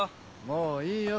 もういいよ